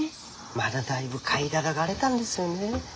まだだいぶ買いただがれだんですよねえ。